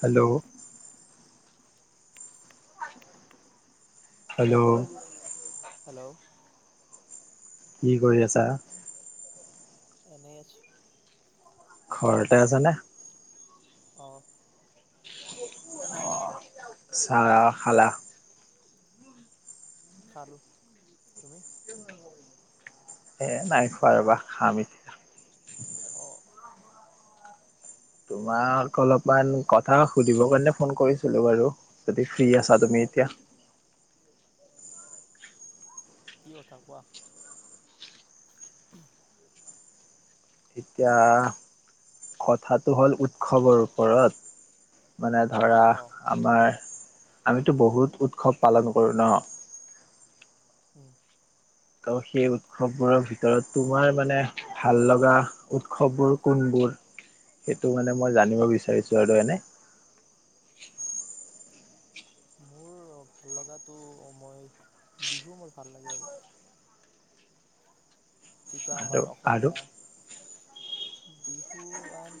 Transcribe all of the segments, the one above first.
Hello? Hello, hello? কি কৰি আছা? এনেই আছো। ঘৰতে আছানে? অ চাহ খালা? খালো। এ', নাই খোৱা ৰ'বা, খাম এতিয়া। অঁ [inaudible] তোমাক অলপমান কথা সুধিব কাৰণে ফোন কৰিছিলো বাৰু যদি ফ্ৰী আছা তুমি এতিয়া? কি কথা কোৱা? এতিয়া কথাটো হ'ল, উৎসৱৰ ওপৰত। মানে ধৰা অঁ আমাৰ আমিতো বহুত উৎসৱ পালন কৰোঁ ন! [inaudible] ত', সেই উৎসৱবোৰৰ ভিতৰত তোমাৰ মানে ভাল লগা উৎসৱবোৰ কোনবোৰ? সেইটো মানে মই জানিব বিচাৰিছোঁ আৰু এনে মোৰ ভাল লগাটো মই বিহু মোৰ ভাল লাগে। আৰু যিটো আৰু আমাৰ আৰু অসমীয়া বিহু আন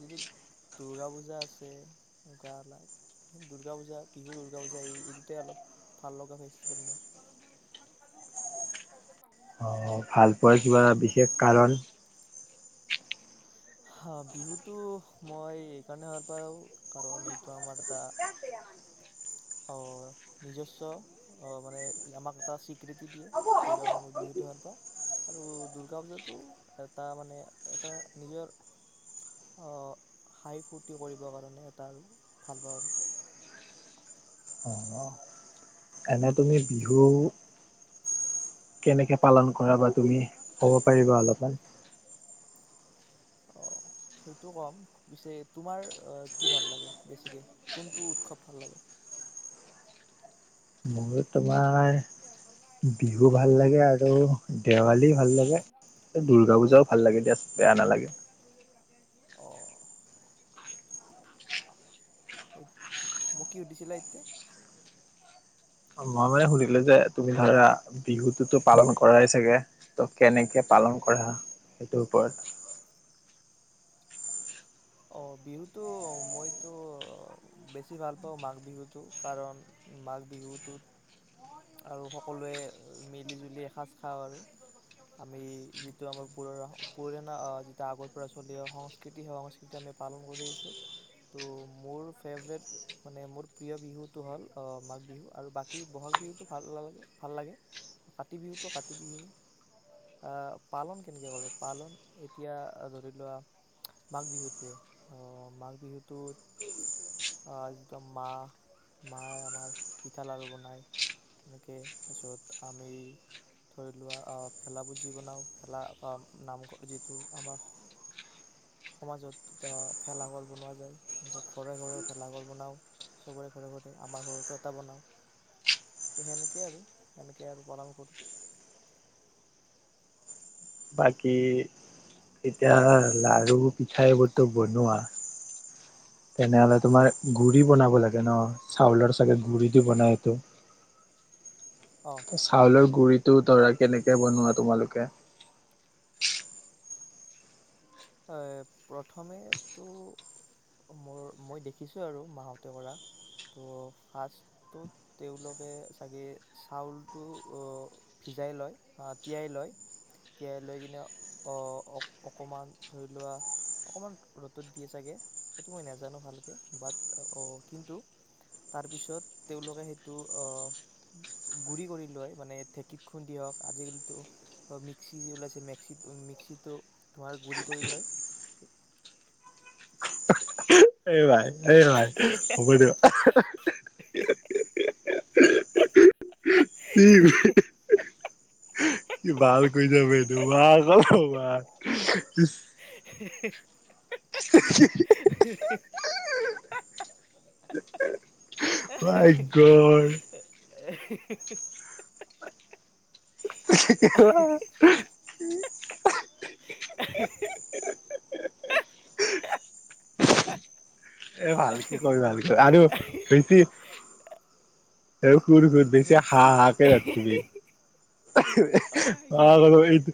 যিটো দুৰ্গা পূজা আছেই। দুূৰ্গা পূজা, বিহু, দুৰ্গা পূজা এই দুটাই অলপ ভাল লগা ফেষ্টিভেল মোৰ। অহ ', ভাল পোৱাৰ কিবা বিশেষ কাৰণ? হহ ', বিহুতো মই এই কাৰণে ভাল পাওঁ, কাৰণ এইটো আমাৰ এটা অহ ', নিজস্ব অহ ', মানে আমাক এটা স্বীকৃতি দিয়ে সেইকাৰণে মই বিহুটো ভাল পাওঁ। আৰু দুূৰ্গা পূজাটো এটা মানে এটা নিজৰ হাঁহি ফূৰ্তি কৰিবৰ কাৰণে এটা আৰু ভাল পাওঁ। আৰু অ', এনে তুমি বিহু কেনেকে পালন কৰা বা তুমি ক'ব পাৰিবা অলপমান? অ', সেইটো ক'ম। পিছে তোমাৰ কি ভাল লাগে বেছিকে কোনটো উৎসৱ ভাল লাগে? [unintelligible] আমাৰ বিহু ভাল লাগে আৰু সেবা দেৱালী দি ভাল লাগে দুৰ্গা পূজা। ভাল লাগে দিয়া। বেয়া নালাগে। অ মোক কি সুধিছিলা এতিয়া মা মানে শুধিলে যে তুমি ধৰা বিহুতটোতো পালন কৰাই চাগে ত কেনেকে পালন কৰা সেইটোৰ ওপৰত অ বিহুতো মইতো বেছি ভাল পাওঁ মাঘ বিহুতটো কাৰণ মাঘ বিহুটোত আৰু সকলোৱে মিলি জুলি এসাজ খাওঁ আৰু আমি যিটো আমাৰ পুৰ পুৰণা যিটো আগৰ পৰা চলি অ সংস্কৃতি সেই সংস্কৃতি। ইতা আমি পালন কৰিছোঁ ত' মোৰ ফেভৰেট মানে মোৰ প্ৰিয় বিহুটো হ'ল মাঘ বিহু আৰু বাকী বহাগ বিহুতটো ভাল নালাগে ভাল লাগে কাতি বিহুতটো কাতি বিহু পালন কেনেকৈ কৰোঁ পালন এতিয়া ধৰি লোৱা মাঘ বিহু। মাঘ বিহুটোত যিটো মা মায়ে আমাৰ পিঠা লাড়ু বনায় সেনেকে পিছত আমি ধৰি লোৱা ভেলাপূজি বনাওঁ ভেলা নামঘৰ যিটো আমাৰ সমাজত ভেলাঘৰ বনোৱা যায় ঘৰে ঘৰে ভেলাঘৰ বনাওঁ চবৰে ঘৰে ঘৰে আমাৰ ঘৰতো এটা বনাওঁ ত' সেনেকেই আৰু সেনেকেই আৰু পালন কৰোঁ। বাকী এতিয়া লাড়ু পিঠাইবোৰতো বনোৱা। তেনেহ'লে তোমাৰ গুড়ি বনাব লাগে ন চাউলৰ চাগে গুড়িটো বনাই এইটো। অ চাউলৰ গুৰিত টো তৰাই কেনেকে বনোৱা তোমালোকে প্ৰথমে মোৰ মই দেখিছোঁ আৰু মাহতে কৰা ত' ফাৰ্ষ্টত তেওঁলোকে চাগে চাউলটো ভিজাই লয় তিয়াই লয় তিয়াই লৈ কিনে অকণমান ধৰি লোৱা অকণমান ৰ'দত দিয়ে চাগে সেইটো মই নাজানো ভালকৈ বাট কিন্তু তাৰপিছত তেওঁলোকে সেইটো গুড়ি কৰি লৈ মানে ঢেঁকীত খুন্দি হওক আজিকালিতো মিক্সি যি ওলাইছে মিক্সিত মিক্সিটো ধোঁৱাৰ গুড়ি কৰি লয় সেই ভাই এই ভাই হ'ব দিয়ক হে সি এই কি ভাল কৰি যাব এইটো [unintelligible] হে হে হে হে সি হি ৰাজ্যৰ [inaudible] এ ভালকে ক ভালকে আৰু বেছি কুৰ খুৰ বেছি মেক্সি হাঁহ হাকে ৰাখিবি ভাই [unintelligible] অ কি কি বাব এইটো।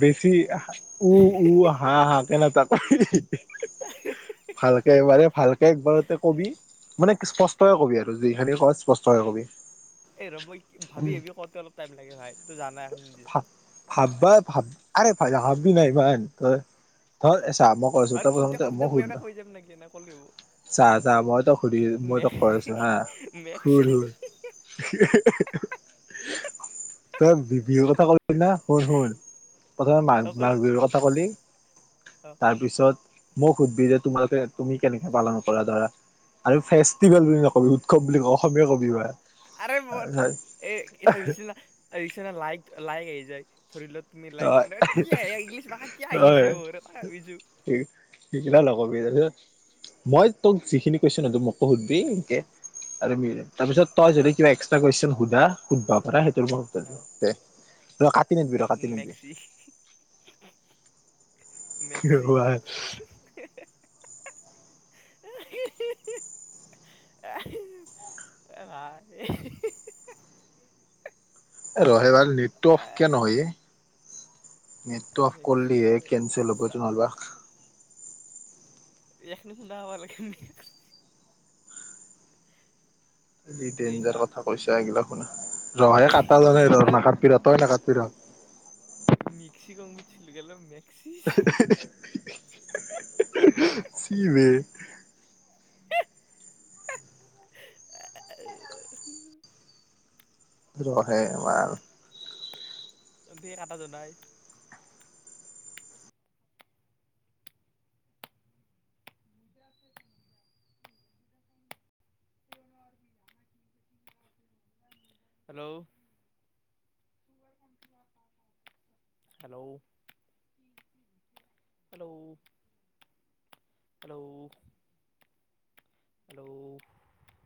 বেছি উ উ হা হা কে নাথাকবি ভালকেবাৰে ভালকে একবাৰতে কবি মানে স্পষ্টকে কবি আৰু যিখিনি ক স্পষ্টকে কবি। এই ৰ মই ভাবি আহিবি কওঁতে অলপ। টাইম লাকে ভাই তোৰ জানাই এ নিজে। ভাব্জ ভাব আৰে ভা ভাবি নাই ইমান তই ধৰ চাহ মই কৰিছো আৰু তই কিতা প্ৰথমতে শব্দ মই এটা কৈ যাম নেকি এনে ক'লে হ'ব সুধ চাহ চাহ মই তোক সুধ মই মে তোক কৰিছো মেক্সি হুৰ হুৰ। তই বি বিহুৰ কথা ক'লি না শুন শুন প্ৰথমে মা অ মাঘ কচোন বিহুৰ কথা ক'ল অ তাৰপিছত মোক সুধবি যে তোমালোকে তুমি কেনেকে পালন কৰা ধৰা আৰু ফেষ্টিভেল বুলি নকবি উৎসৱ বুলি ক অসমীয়া কবি বা আৰে মোৰ এ', কি চাইচিলনা, আহিছেনে লাইক', - লাইক', আহি যায়। ধৰি লোৱা, তুমি লাইক এনেকা কি আহে এই ইংলিশ মাখা কিয়া আহি আছে মোৰ, তাকে ভাবি আছোঁ। সেইগিলা লগাবি, তাৰপিছত মই তোক যিখিনি কৈছোঁ ন ', ত', মোকো সোধবি সেনকে আৰু মিলে, তাৰপিছত তই হ'ব দে যদি হ'ব দে কিবা এক্সট্ৰা -কুৱেশ্যন সুধা, সুধবা পাৰা, [unintelligible] ৰ', কাটি নেদ উম', মেক্সি, মেক্সি, ৰহে [unintelligible] ৰহে' ৰ', নেটটো অফ কীয়া নহয়ে? নেটতো অফ মেক্সি কৰিলিহে বোলে কেনচেল হ'ব চাল নহলবা। এখনি খুনা পাবা লাগে নে [unintelligible] দে ডেঞ্জাৰ কাত কথা কৈছা এইগিলাক শুনা, ৰহাই কাটা জানাই ৰ অ নাগাতবি তই নাগাতবি ৰ। চিল গেল মে আহ -আহ -আহ চিমে অহ [unintelligible] উ ৰহে মাৰ আটা জাই হেল্ল' হেল্ল' [unintelligible] হেল্ল' [unintelligible] হেল্ল' [unintelligible] [unintelligible]